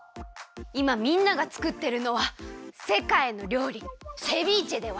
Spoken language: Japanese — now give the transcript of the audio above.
いまみんながつくってるのはせかいのりょうりセビーチェでは？